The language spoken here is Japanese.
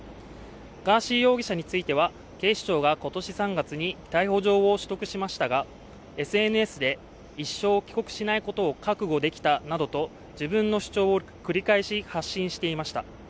ガーシー容疑者については警視庁が今年３月に逮捕状を取得しましたがＳＮＳで一生帰国しないことを覚悟できたなどと自分の主張を繰り返し発信していました。